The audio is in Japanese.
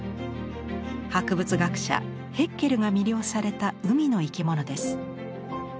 博物学者ヘッケルが魅了された海の生き物です。